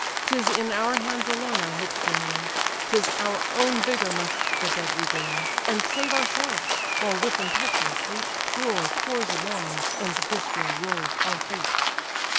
'Tis in our hands alone our hopes remain, 'Tis our own vigour must the dead regain, And save ourselves, while with impetuous hate Troy pours along, and this way rolls our fate."